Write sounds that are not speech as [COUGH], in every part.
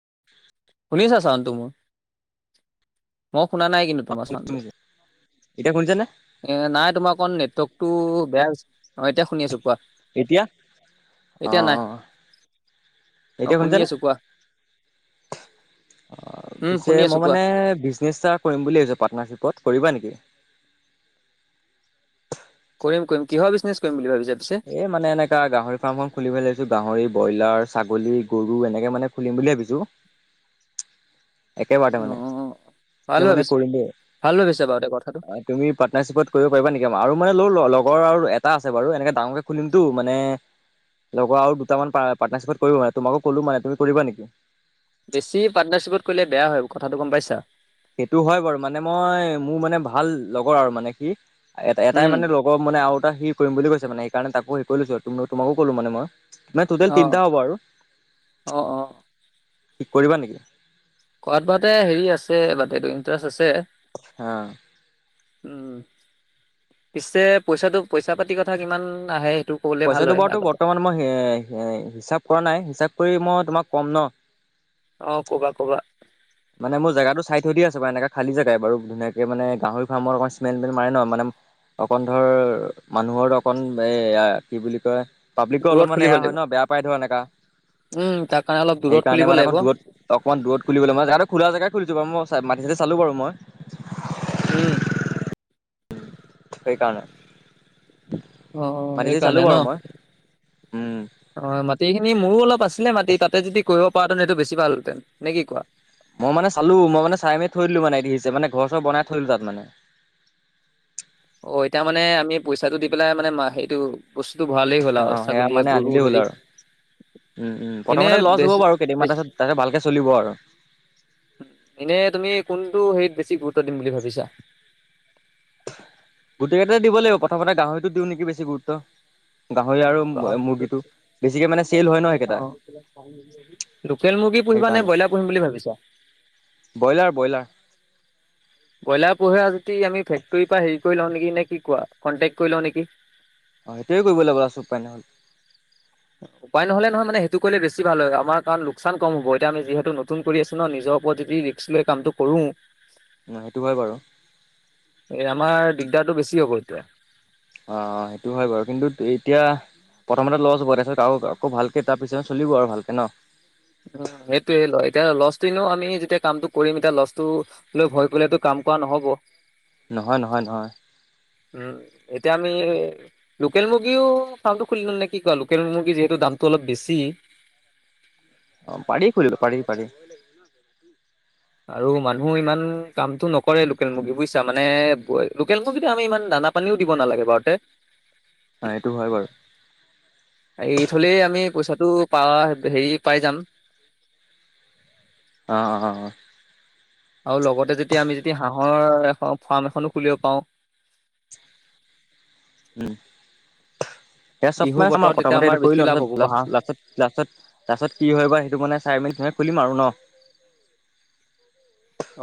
উ শুনিছা ছাউণ্ডটো মই শুনা নাই কিন্তু তোমাৰ ছাউণ্ডটো। শুনিছে এতিয়া শুনিছেনে এ নাই তোমাৰ অকণ নেটৱৰ্কতটো বেয়া হৈছে অঁ এতিয়া শুনি আছোঁ কোৱা এতিয়া অ এতিয়া নাই অ শুনি আছোঁ কোৱা। অ উম, পিছে শুনি আছো মই কোৱা। মানে বিজনেচ এটা কৰিম বুলি ভাবিছোঁ পাৰ্টনাৰশ্বিপত কৰিবা নেকি? [INAUDIBLE] কৰিম কিহৰ বিজনেছ কৰিম বুলি ভাবিচা? এই মানে এনেকা গাহৰি ফাৰ্ম এখন খুলিব লৈছোঁ গাহৰি, ব্ৰইলাৰ ছাগলী গৰু এনেকে মানে খুলিম বুলি ভাবিছো। একেবাৰতে মানে অ' ভাল তেওঁ মানে ভাবিছা, কৰিলে ভাল ভাবিছা বাৰু দে কথাটো। অ তুমি পাৰ্টনাৰশ্বিপত কৰিব পাৰিবা নেকি আমাৰ আৰু মানে ল লত লগৰ আৰু এটা আছে বাৰু এনেকে ডাঙৰকে খুলিমতটো মানে লগৰ আৰু দুটামান পাৰ্টনাৰশ্বিপ ত কৰিব মানে, তোমাকো কলো মানে তুমি কৰিবা নেকি? বেছি পাৰ্টনাৰশ্বিপত কৰিলে বেয়া হয় কথাটো গম পাইছা। সেইটো হয় বাৰু মানে মই মোৰ মানে ভাল লগৰ আৰু মানে কি এটা এটাই উম, মানে লগৰ মানে আৰু এটা সি কৰিম বুলি কৈছে মানে এই কাৰণে তাকো সেই কৰি লৈছো তো তোমাকো ক'লো মানে মই। মানে টোতেল অ', তিনটা হ'ব আৰু অ', অ'। কি কৰিবা নেকি? কোৱাত বাতে হেৰি আছে মানে এইটো ইণ্টাৰেষ্ট আছে। হা উম পিছে পইচাটো পইচা পাতি কথা কিমান আহে? ক'বলে ভাল পইচাটো হয় বাৰুতো আগতে। বৰ্তমান মই হিচাপ কৰা নাই হিচাপ কৰি মই তোমাক কম ন। অ ক'বা ক'বা। মানে মোৰ জেগাতটো চাই থৈ দিয়া আছে বাৰু এনেকা খালি জেগাই বাৰু ধুনিয়াকে মানে গাহৰি ফাৰ্মৰ অকমান ইস্মেল মাৰে ন, মানে অকন ধৰ মানুহৰ অকন এ আ কি বুলি কয়? প্ৰাব্লিকৰ দূৰত অলপমান খুলিব এয়া হয় লাগিব। ন বেয়া পাই ধৰ এনেকা। উম, তাৰ কাৰণে অলপ দূৰত সেইকাৰণে খুলিব মানে লাগিব। অকণ দূৰত অকণমান দূৰত খুলিবলৈ মই জেগাতো খুলিছো বাৰু ম চাই মাতিটো চালো বাৰু মই। উম সেইকাৰণে অ অ মাটি চাটি চালো এইকাৰণে ন? বাৰু মই উম অ মাটি খিনি মোৰো অলপ আছিলে মাটি তাতে যদি কৰিব পা হঁতেন সেইটো বেছ ভাল হেতেন, নে কি কোৱা? মই মানে চালো মই মানে চাই মেলি থৈ দিলো মানে এ দী আহিছে মানে ঘৰ চৰ বনাই থৈলো তাত মানে। অ এতিয়া মানে আমি পইচাটো দি পেলাই মানে সেইটো বস্তু টো ভাৰালেই হ'ল অ আৰু সেয়া ছাগলীয়ে মানে গৰু আনিলেই হ'ল হেৰি আৰু উম উম এনে প্ৰথমতে লছ হ'ব বেছি বাৰু কেইদামান বেছি পাচত তাৰপিছত ভালকে চলিব আৰু। এনেই তুমি কোনটো হেৰিত বেছি গুৰুত্ব দিম বুলি ভাবিছা? গোটেইকেইটা দিব লাগিব, প্ৰথমতে গাহৰিতটো দিওঁ নেকি বেছি গুৰুত্ব। গাহৰি আৰু অ', মুৰ্গীটো লোকেল বেছিকে মুৰ্গী মানে চেল হয় ন সেইকেইটা পুহিবা নে ব্ৰইলাৰ পুহিম বুলি ভাবিছা? Broiler broiler. বইলাৰ পোহা যদি আমি ফেক্টৰীৰ পৰা হেৰি কৰি লওঁ নিকি নে কি কোৱা, কনটেক্ট কৰি লওঁ নেকি? অ', সেইটোৱে কৰিবলাগিব উপাই নহলে। উপায় নহ'লে নহয় মানে সেইটো কৰিলে বেছি ভাল হয়। আমাৰ কাৰণ লোকচান কম হ'ব, এতিয়া আমি যিহেতু নতুন কৰি আছো ন নিজৰ ওপৰত যদি ৰিক্স লৈ কামটো কৰো উম, সেইটো হয় বাৰু। এ আমাৰ দিগদাৰটো বেছি হব এতিয়া। অ' অ', সেইটো হয় বাৰু, কিন্তু এতিয়া প্ৰথমতে লছ হব, তাৰছত আও আকৌ ভালকে তাৰ পিছত চলিব আৰু ভালকে ন। উ, সেইটোয়ে ল এতিয়া লছটো আমি যেতিয়া কামটো কৰিম এতিয়া লছটো লৈ ভয় কৰিলেতো কাম কোৱা নহ'ব। নহয় নহয় নহয়। উম, এতিয়া আমি লোকেল মুৰ্গীও ফামটো খুলিও নে কি কোৱা? লোকেল মুৰ্গী যিহেতু দামটো অলপ বেছি। অ', পাৰি খুলিব পাৰি পাৰি। আৰু মানুহ ইমান কামতটো নকৰে লোকেল মুৰ্গী, বুইছা মানে লোকেল মুৰ্গীটো আমি ইমান দাম খানা পানীও দিব নালাগে বাৰুতে। অ সেইটো হয় বাৰু এৰি থলেই আমি পইচা টো পাৱা হেৰি পাই যাম। অ' অ' অ'। আৰু লগতে যেতিয়া আমি যেতিয়া হাঁহৰ ফাৰ্ম এখনো খুলিব পাৰোঁ। উম। এয়া চব বিহু মে আমাৰ বতৰত তেতিয়া প্ৰথমতে এইটো বেছি কৰিলো লাভ হ'ব বা হাঁহ লাষ্টত লাষ্টত লাষ্টত কি হয় বা সেইটো মানে চাই মেলি খুলিম আৰু ন।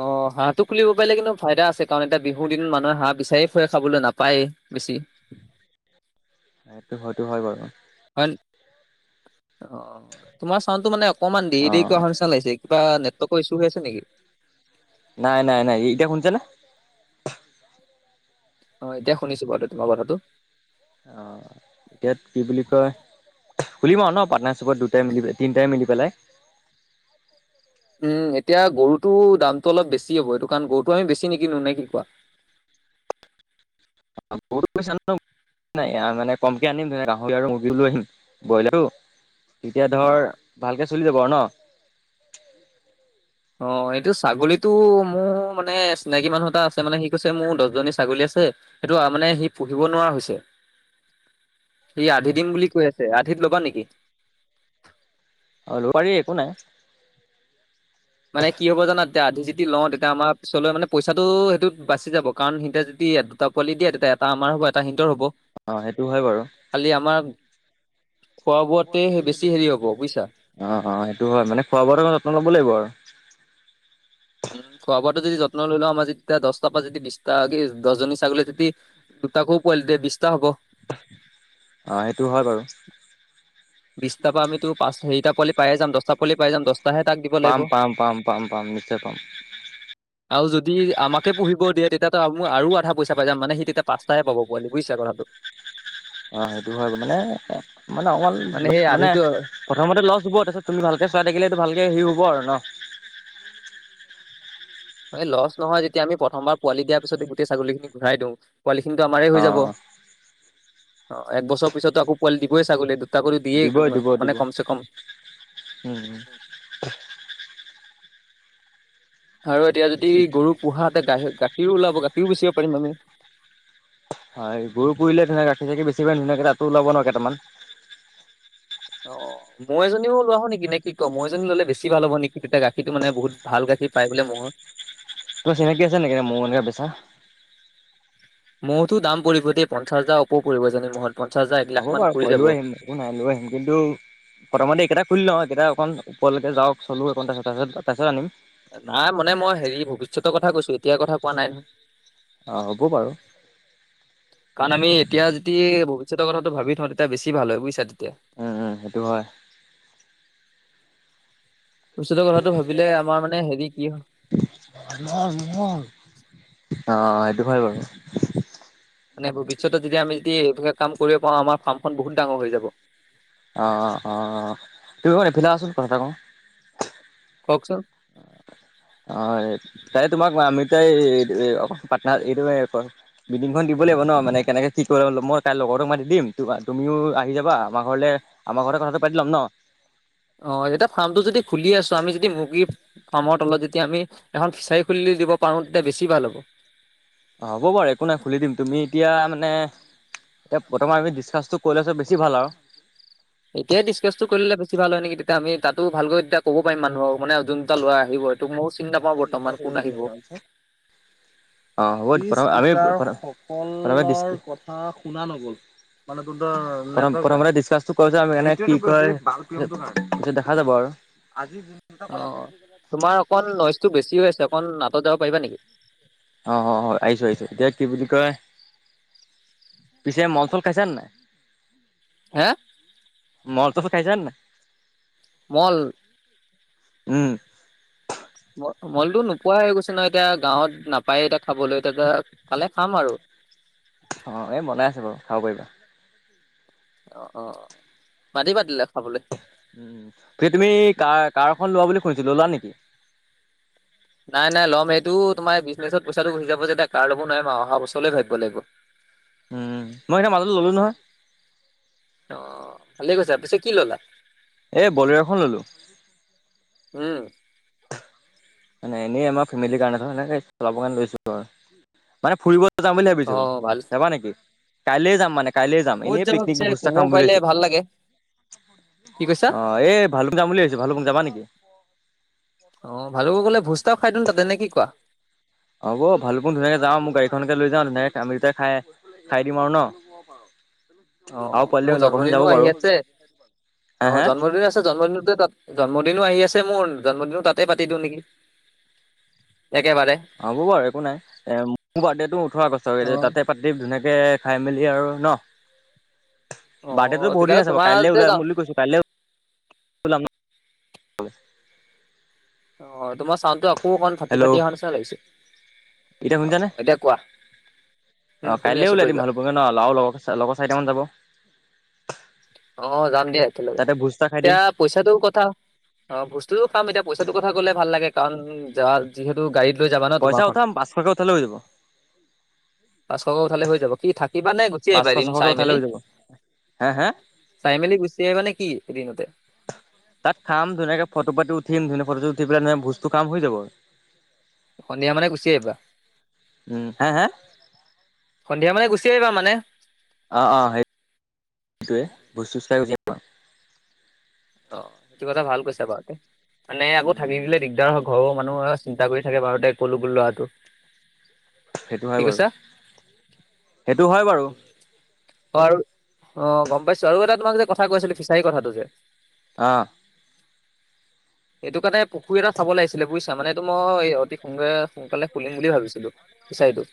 অ', হাঁহটো খুলিব পাৰিলে কিন্তু ফাইদা আছে কাৰণ এতিয়া বিহুৰ দিন মানুহে হাঁহ বিচাৰি ফুৰে খাবলৈ নাপায়েই। বেছি সেইটো হয়তো হয় বাৰু। হয় অ', তোমাৰ চাউডতটো মানে অকমান অ দেৰি দেৰি অহা নিচিনা লাগিছে কিবা নেট টৰ্ক ইছু হৈ আছে নেকি? নাই নাই নাই, এ-এতিয়া শুনিছা নে? অ', এতিয়া শুনিছো বাৰু তোমাৰ কথাটো। অ', এতিয়া কি বুলি কয় খুলিম আও ন পাটনাৰ হিচাপত দুটাই মিলি, তিটাই মিলি পেলাই। [UNINTELLIGIBLE] উম, এতিয়া গৰুটো দামটো অলপ বেছি হ'ব এইটো কাৰণ গৰুটো আমি বেছি নিকিনো নে কি কোৱা? [UNINTELLIGIBLE] [UNINTELLIGIBLE] নাই মানে কমকে আনিম গাহৰি আৰু মুৰ্গীও লৈ আহিম বইলাৰো তেতিয়া অ ধৰ ভালকে চলি যাব আৰু ন। অ', এইটো ছাগলীতো মোৰ মানে চিনাকী মানুহ এটা আছে মানে সি মোৰ দচজনী ছাগলী আছে, সেইটো আ মানে সি পুহিব নোৱাৰা হৈছে। সি আধি দিম বুলি কৈ আছে, আধিত লবা নেকি? অ', লব পাৰি একো নাই। মানে কি হব জানা তেতিয়া লওঁ তেতিয়া আমাৰ পিছলৈ মানে পইচাটো সেইটোত বাচি যাব কাৰণ সিতিয়া যদি দুটা পোৱালি দিয়ে তেতিয়া এটা আমাৰ এটা সিহঁতৰ হব। অ সেইটো হয় বাৰু খালি আমাৰ খোৱা বোৱাতে বোৱাটোৱে হেৰি বেছি, হ'ব বুজিছা। অ অ সেইটো হয় মানে খোৱা বোৱাটো যত্ন ল'ব লাগিব আৰু উম খোৱা বোৱাটো যদি যত্ন লৈ লওঁ আমাৰ যেতিয়া দছটা পৰা যদি বিছটা কি দছজনী ছাগলী যদি দুটাকো পোৱালি দিয়ে বিছটা হ'ব অ সেইটো হয় বাৰু বিছটা পৰা আমিটো পাঁচ সেইটা পোৱালি পায়ে যাম দছটা পোৱালি পায়ে যাম। দছটা পাম পাম পাম পাম পাম নিশ্চয় পাম আৰু যদি আমাকে পুহিব দিয়ে তেতিয়াতো আম আৰু আধা পইচা পাই যাম মানে সি তেতিয়া পাঁচটা হে পাব পোৱালি বুজিছা কথাটো [INAUDIBLE] অ সেইটো হয় মানে মানে অকমান সেই মানে আধিটো প্ৰথমতে লছ হ'ব তাৰপিছত তুমি ভালকে চাই থাকিলে সেইটো ভালকে হেৰী হ'ব আৰু অহ এ লছ নহয় যেতিয়া আমি প্ৰথমবাৰ পোৱালি দিয়াৰ পিছতে গোটেই ছাগলী খিনি ঘূৰাই দিওঁ পোৱালি খিনিটো আমাৰেই হৈ অ যাব। অ এক বছৰ পিছতটো আকৌ পোৱালি দিবই ছাগলীয়ে টো দুটা কৰি দিয়েই দিব দিব মানে দিব কম চে কম উম আৰু এতিয়া যদি গৰু পোহা হতে গাখী গাখীৰো ওলাব গাখীৰো বেচিব পাৰিম আমি হয় গৰু পুহিলে ধৰা গাখীৰ চাখীৰ বেচি পেলাই ধুনীয়াকে তাতো ওলাব ন কেইটামান অ মহ এজনীও লৈ আহো নেকি নে কি ক ম'হ এজনী ল'লে বেচি ভাল হ'ব নেকি তেতিয়া গাখীৰটো মানে বহুত ভাল গাখী খী পাই বোলে মহত তোৰ চিনাকি আছে নেকি মৌ এনেকে বেচা। মহটো দাম পৰিব দেই পঞ্চাছ হাজাৰ ওপৰ পৰিব এজনি মহত পঞ্চাছ হাজাৰ এক লাখ হ'ব মান বাৰু পৰি মই যাব। লৈ আহিম একো নাই লৈ আহিম কিন্তু প্ৰথমতে এইকেইটা খুলি লওঁ এইকেইটা অকণ ওপৰলৈকে যাৱক চলোঁ একখন তাপিছত তাপিছত আনিম নাই মানে মই হেৰী ভৱিষ্যতৰ কথা কৈছোঁ এতিয়াৰ কথা অ হ'ব বাৰু কাৰণ আমি এতিয়া যদি ভবিষ্যতৰ কথাটো ভাবি থ, তেতিয়া বেছি ভাল হয় বুয়িছা উম উম সেইটো হয়। [INAUDIBLE] ভৱিষ্যতৰ কথাটো ভাবিলে আমাৰ মানে হেৰি কি হয় [UNINTELLIGIBLE] অ সেইটো হয় বাৰু। মানে ভৱিষ্যতত যদি আমি যদি এইবিলাক কাম কৰিব পাৰোঁ আমাৰ ফাৰ্মখন বহুত ডাঙৰ হৈ যাব। অ অ অ তুমি এইপিনে আহচোন কথা এটা কওঁ [UNINTELLIGIBLE] অ তাই তোমাক আমি দুটাই এ পাটনা এইটোৱে অকল মিটিংখন দিব লাগিব ন মানে কেনেকে কি ত মই তাইৰ লগৰটোক মাতি দিম তু তুমিও আহি যাবা আমাৰ ঘৰলে আমাৰ ঘৰতে কথাটো পাতি ল'ম ন। অ এতিয়া ফাৰ্মটো যদি খুলি আছোঁ আমি যদি মুৰ্গী ফাৰ্মৰ তলত যেতিয়া আমি এখন ফিচাৰী খুলি দিব পাৰোঁ তেতিয়া বেছি ভাল হ'ব। অ হ'ব বাৰু একো নাই খুলি দিম তুমি এতিয়া মানে এতিয়া প্ৰথমে আমি ডিচকাচটো কৰি লোৱাটো বেছি ভাল আৰু এতিয়াই ডিচকাচটো কৰি ল'লে বেছি ভাল হয় নেকি তেতিয়া আমি তাতো ভালকৈ তেতিয়া ক'ব পাৰিম মানুহক মানে যোনকেইটা ল'ৰা আহিব এইটো মও চিনি নাপাওঁ বৰ্তমান কোন আহিব। অ হ'ব আমি, [UNINTELLIGIBLE] প্ৰথম আমি ক, শুনা নগ'ল। মানে তহঁতৰ, প্ৰথমতে ডিচকাচটো কৰোঁ চোন আমি এনে কি কয় পিছত দেখা যাব আৰু আজি বি অ কথাটো তোমাৰ অকণ নইজটো বেছি হৈ আছে অকন আঁতৰত যাব পাৰিবা নেকি? অ হ হ আহিছোঁ আহিছোঁ এতিয়া কি বুলি কয় পিছে মন চন খাইছে নে নাই? হে মদ চদ খাইছা নে নাই মল। উম মলটো নোপোৱা হৈ গৈছোঁ নহয় এতিয়া গাঁৱত নাপায় এতিয়া খাবলৈ এতিয়া পালে খাম আৰু। অহ, এই বনাই আছে বাৰু খাব পাৰিবা। অহ - অহ - অহ [UNINTELLIGIBLE] তে তুমি কাৰ কাৰখন লোৱা বুলি শুনিছিলো ল'লা নেকি? নাই -নাই ল'ম সেইটো তোমাৰ বিজনেচত পইচাটো গোচি যাব যেতিয়া কাৰ ল'ব নোৱাৰিম আৰু অহা বছৰলৈ ভাবিব লাগিব। [INAUDIBLE] উম, মই এতিয়া মাজতে ল'লো নহয় অহ, ভালেই কৈছা। পাছে কি ল'লা? এ বলেৰ খন ললো। হম মানে এনেই আমাৰ ফেমিলি কাৰণে সেনেকে চলাব কাৰে লৈছো আৰু মানে ফুৰিব যাম বুলি অ ভাবিছো ভাল যাবা নেকি কাইলে যাম মানে কাইলে যাম ক'ত এনেই যাবা পিছে পিকনিক ভোজ এটা ক'ব খাম বুলি পাৰিলে [UNINTELLIGIBLE] ভাল লাগে কি কৈছা অহ, এই ভালুকপুং যাম বুলি ভাবিছো ভালুকপুং যাবা নেকি? অহ, ভালুকপুং গলে ভোজ তাও খাই দিম তাতে নে কি কোৱা? হ'ব ভালুকপুং হৈয়ে যাম মোৰ গাড়ীখনকে লৈ যাওঁ ধুনীয়াকে আমি কেতাই খাই -খাই দিম আৰু ন'। [INAUDIBLE] অহ - অহ আৰু পোৱালি মোৰ লগৰখিনি যাব জন্মদিনো আহি বাৰু আছে হা অহ হা জন্মদিন আছে জন্মদিনতে তাত জাম। জন্মদিনো আহি আছে মোৰ জন্মদিনো তাতে পাতি দিওঁ নেকি? একেবাৰে হ'ব বাৰু একো নাই এ মোৰ বাৰ্থডে টো ওঠৰ অ আগষ্ট তাতে পাতি ধুনীয়াকে খাই মেলি দিয়া আৰু অ ন' বাৰ্থডেটো পৰহি তেতিয়াহ'লে আছে বাৰো তোমাৰ কাইলে তাতে যাওঁ ওলাম বুলি কৈছো কাইলে ওলাম। হয় অহ, তোমাৰ চাউণ্ডটো অক ক' অকণ ফাটি- ফাটি অহা নিচনা লাগিছে অহ এতিয়া কোৱা উম অহ, শুনি কাইলে আছো উলাই কৈ দিম যোৱা ভালুকপুংলে লল লগৰ -লগৰ চাৰিটামান যাব। অহ, যাম দিয়া একেলগে। তাতে ভোজ এটা খাই দিম এতিয়া পইচাটো কথা অহ বস্তুও খাম এতিয়া পইচাটোৰ কথা কলে ভাল লাগে। কাৰণ যা যিহেতু গাড়ীত লৈ যাবা ন পইচা তোমাৰখন উঠাম পাঁচশকে উঠালে হৈ যাব। পাঁচশকে উঠালে হৈ যাব কি থাকিবা নে গুচি আহিবা পাঁচশ এদিন ছশকে চাই উঠালে মেলি? হৈ যাব হে হে চাই মেলি গুচি আহিবানে কি এদিনতে? তাত খাম ধুনীয়াকে ফটো পাতি উঠিম ধুনীয়া ফটো উঠি পেলাই ভোজটো খাম হৈ যাব। সন্ধিয়া মানে গুচি আহিবা উম হে হে সন্ধিয়া মানে গুচ গুচি আহিবা মানে। অ', -অ', সেই সেইটোৱে ভোজ - চুজ খাই গুচি আহিম আৰু। অহ, কিবা এটা ভাল কৈছা বাৰুতে মানে আকৌ থাকি উম দিলে দিগদাৰ হ'ব। ঘৰৰ মানুহ চিন্তা কৰি থাকে বাৰুতে ক'লো গোল ল'ৰাটো সেইটো হয় কি বাৰু কৈছা সেইটো হয় বাৰু আৰু অহ, গম পাইছো আৰু এটা তোমাক যে কথা কৈ আছিলে ফিচাৰী কথাটো যে আহ এইটো কাৰণে পুখুৰী এটা চাব লাগিছিলে বুইছা মানে এইটো মই অতি সোনকালে- সোনকালে খুলিম বুলি ভাবিছিলো। ফিছাৰিটো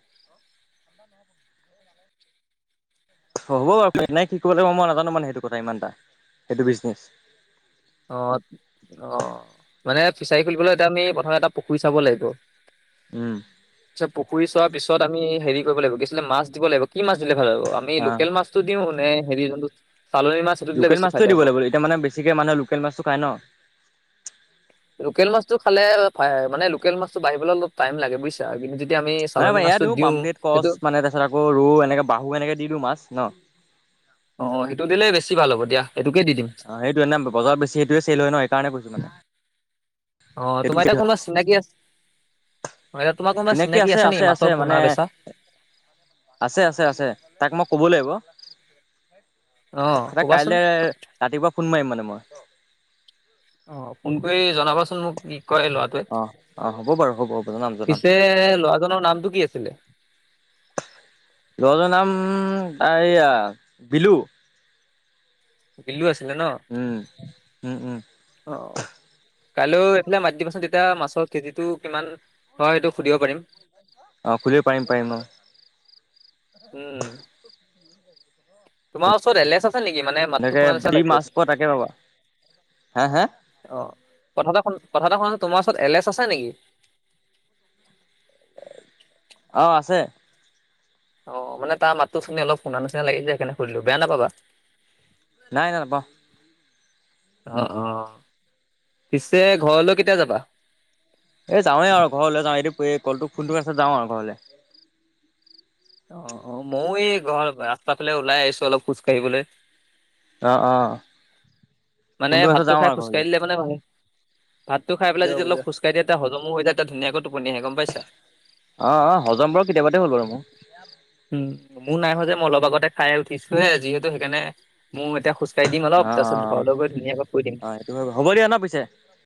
[INAUDIBLE] হ'ব বাৰু নাই কি কৰিব লাগিব মই নাজানো মানে সেইটো কথা ইমান এটা সেইটো বিজনেচ অহ -অহ মানে ফিচাৰী খুলিবলৈ এতিয়া আমি প্ৰথমে এটা পুখুৰী চাব লাগিব। উম পিছত পুখুৰী চোৱা পিছত আমি হেৰি কৰিব লাগিব কিআছিলে মাছ দিব লাগিব কি মাছ দিলে ভাল হ'ব আমি অ লোকেল মাছটো দিওঁ নে হেৰি জনটো লোকেল মাছটোোৱে দিব লাগিব এতিয়া মানে বেছিকে মানুহে লোকেল মাছটো খাই ন- লোকেল মাছটো খালে মানে লোকেল মাছটো বাঢ়িবলৈ অলপ টাইম লাগে বুজছা কিন্তু। যেতিয়া আমি নাই চালনী নাই এয়া মাছটো দিও দিওঁ পামপ্লট কচ সেইটো মানে তাৰপিছত আকৌ এনেকে বাহু এনেকে দি দিওঁ মাছ ন- অ', সেইটো দিলে বেছি ভাল হ'ব দিয়া সেইটোকে দি দিম। আহ সেইটো এ নে বজাৰত বেছি সেইটোয়ে চল হয় ন সেইকাৰণে কৈছো মানে- অ সেইটো তোমাৰ এটায়া কোনোবা চিনাকি আছে। তোমাৰ কোনোবা চিনাকি আছে নেকি আছে আছে মাছৰ পোনা মানে। বেচা? আছে আছে আছে তাক মই ক'ব লাগিব। অ', এ ক'বাচোন কাইলে ৰাতিপুৱা ফোন মাৰিম মানে মই- অ ফোন কৰি জনাবাচোন মোক কি! কয় অ'। অ', হ'ব বাৰু হ'ব হ'ব লৰাটোৱে জনাম জনাম পিছে লৰাজনৰ নামটো কি আছিলে [INAUDIBLE] লজৰ নাম ত এইয়া বিলু বিলু আছে উম উম উম কাইলৈও এইফালে মাাততি দিবচোন তেতিয়া মাছৰ কেজিটো কিমান হয় সেইটো সুধিব পাৰিম অ খুলিব পাৰম পাৰম উম তোমাৰ ওচৰত এলেছ আছে নেকি মানে মাতটো এনেকে শুনা নিচনা যি লাগছিল। মাছ পোৱা তাকে পাবা হা হা অ কথা এ কথা এটা শুনা তোমাৰ ওচৰত এলে এচ আছে নেকি? আহ আছে। অ মানে তাৰ মাতো চুনি অলপ শুনা নিচিনা লাগি যে সেইকাৰণে সুধিলো বেয়া নাপাবা। নাই নাই নাপাওঁ। অ অ পিছে ঘৰলৈ কেতিয়া যাবা। এই যাওঁৱে আৰু ঘৰলৈ যাওঁ এই কলটো ফোনটো যাওঁ আৰু ঘৰলৈ অ অ ময়ও এই ঘ ৰাস্তা ফালে ওলাই আহিছো অলপ খোজ কাঢ়িবলৈ অঁ অঁ। মানে ভাতটো খাই খোজকাঢ় দিলে মানে মানে। ভাতটো খাইেলাই য অলপ খোজকাঢ়িয়তি হমো হৈ যায় টা ধুনীয়াকৈ টোপনি আহে গম পাইছা। আহ আহ হজম বোৰু কেতিয়াবাতে হ'ল বাৰু মোৰ। মোৰ নাই হয়য় যে মই অলপ আগতে খাই উঠিছোহে যিহেতু সেইকাৰণে মোৰ এতি খোজকাঢ় দিম অলপ অ', তাৰপাছত অ'। ঘলেগৈ ধুনীয়াকৈ প দিম। অ', সেইটো হয় হ'ব দিয়া ন' পিছে।